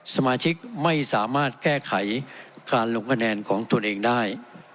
สมาชิกไม่สามารถแก้ไขการลงคะแนนของตนเองได้